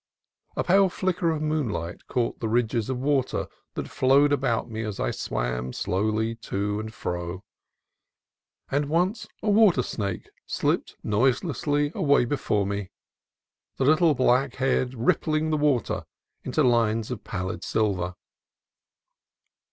A pale flicker of moonlight caught the ridges of water that flowed about me as Iswam slowly to and fro, and once a water snake slipped noise lessly away before me, the little black head rippling the water into lines of pallid silver.